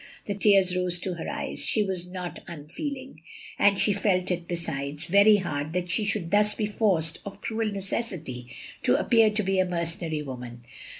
The tears rose to her eyes. She was not unfeeling; and she felt it, besides, very hard that she should thus be forced, of cruel necessity, to appear to be a mercenary woman.